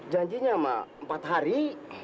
janjinya mah empat hari